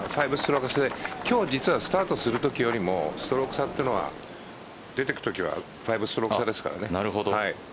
今日、スタートするときよりもストローク差が出てくときは５ストローク差ですからね。